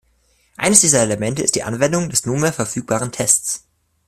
Eines dieser Elemente ist die Anwendung der nunmehr verfügbaren Tests.